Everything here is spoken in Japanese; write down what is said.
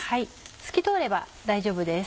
透き通れば大丈夫です。